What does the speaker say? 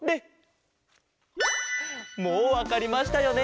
もうわかりましたよね。